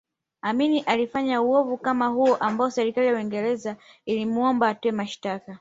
Amin alifanya uovu kama huo ambao serikali ya Uingereza ilimuomba atoe mashtaka